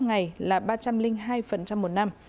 ngày là ba trăm linh hai một năm